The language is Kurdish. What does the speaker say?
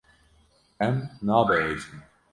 Em nabehecin.